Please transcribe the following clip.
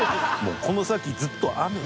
この先ずっと雨。